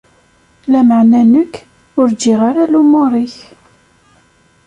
Lameɛna nekk, ur ǧǧiɣ ara lumuṛ-ik.